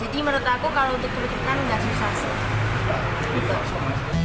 jadi menurut aku kalau untuk kebetulan enggak susah sih